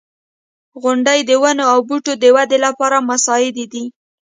• غونډۍ د ونو او بوټو د ودې لپاره مساعدې دي.